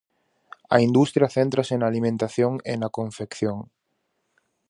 A industria céntrase na alimentación e na confección.